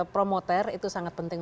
promoter itu sangat penting